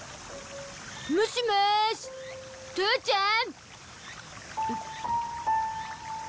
もしもし父ちゃん？